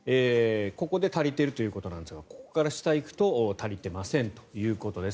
ここで足りているということなんですがここから下に行くと足りてませんということです。